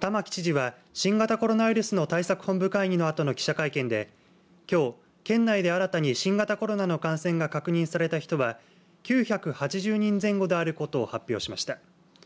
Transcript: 玉城知事は新型コロナウイルスの対策本部会議のあとの記者会見できょう県内で新たに新型コロナの感染が確認された人は９８０人前後であることを発表しました。